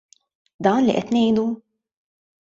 Dan li qed ngħidu?